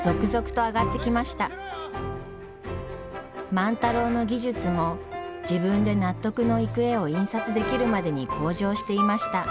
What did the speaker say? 万太郎の技術も自分で納得のいく絵を印刷できるまでに向上していました。